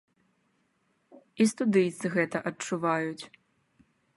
І студыйцы гэта адчуваюць.